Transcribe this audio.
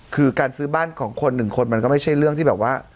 คือการซื้อบ้านของคนหนึ่งคนมันก็ไม่ใช่เรื่องที่แบบว่า